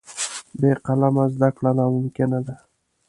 بې قلمه زده کړه ناممکنه ده.